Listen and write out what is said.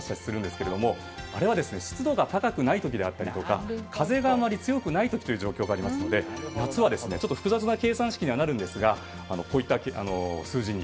あれは湿度が高くない時であったりとか風があまり強くない時という状況がありますので夏は複雑な計算式にはなるんですがこういった数字に。